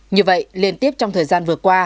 như vậy liên tiếp trong thời gian vừa qua